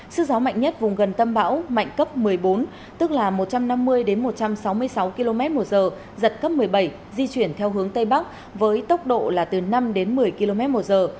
sức gió mạnh nhất vùng gần tâm bão mạnh cấp một mươi bốn tức là một trăm năm mươi một trăm sáu mươi sáu km một giờ giật cấp một mươi bảy di chuyển theo hướng tây bắc với tốc độ là từ năm đến một mươi km một giờ